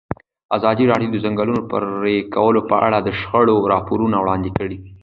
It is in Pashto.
ازادي راډیو د د ځنګلونو پرېکول په اړه د شخړو راپورونه وړاندې کړي.